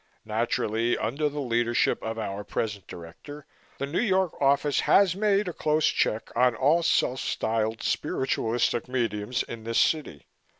Naturally, under the leadership of our present Director, the New York office has made a close check on all self styled spiritualistic mediums in this city.